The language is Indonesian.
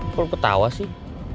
kok lo ketawa sih